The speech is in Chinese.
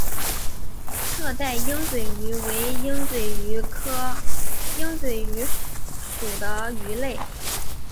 侧带鹦嘴鱼为鹦嘴鱼科鹦嘴鱼属的鱼类。